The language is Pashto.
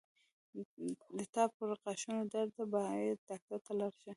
د تا پرغاښونو درد ده باید ډاکټر ته لاړ شې